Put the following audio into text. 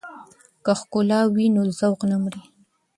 که ښکلا وي نو ذوق نه مري.